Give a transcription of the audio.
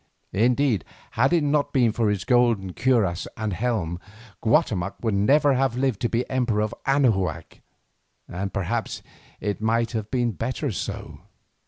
Indeed had it not been for his golden cuirass and helm Guatemoc would never have lived to be emperor of Anahuac, and perhaps it might have been better so.